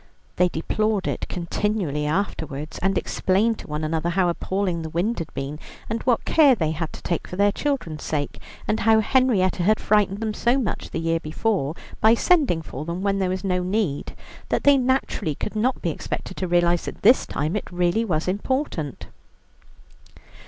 They deplored it continually afterwards, and explained to one another how appalling the wind had been, and what care they had to take for their children's sake, and how Henrietta had frightened them so much the year before by sending for them when there was no need, that they naturally could not be expected to realize that this time it really was important.